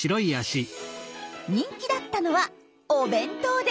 人気だったのはお弁当です。